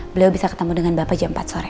beliau bisa ketemu dengan bapak jam empat sore